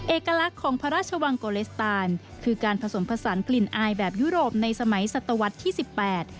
เอกลักษณ์ของพระราชวังโกเลสตานคือการผสมผสานกลิ่นอายแบบยุโรปในสมัยศตวรรษที่สิบแปด